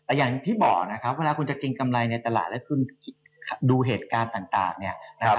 แต่อย่างที่บอกนะครับเวลาคุณจะเก็งกำไรในตลาดและดูเหตุการณ์ต่างเนี่ย